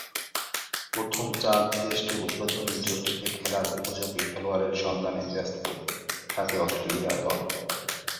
প্রথম চার টেস্টে উদ্বোধনী জুটিতে খেলার উপযোগী খেলোয়াড়ের সন্ধানে ব্যস্ত থাকে অস্ট্রেলিয়া দল।